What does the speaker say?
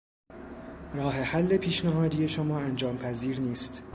راه حل پیشنهادی شما انجام پذیر نیست.